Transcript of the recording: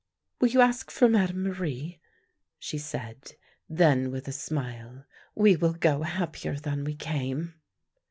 " Will you ask for Madame Marie? " she said. Then, with a.smile, " We will go happier than we came."